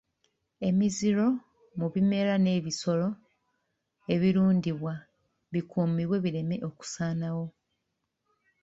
Emiziro mu bimera n’ebisolo ebirundibwa bikuumibwe bireme okusaanawo.